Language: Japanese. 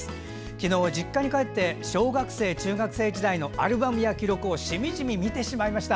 昨日、実家に帰って小学生、中学生時代のアルバムや記録をしみじみ見てしまいました。